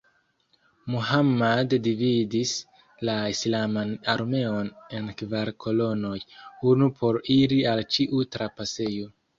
Muhammad dividis la islaman armeon en kvar kolonoj: unu por iri al ĉiu trapasejo.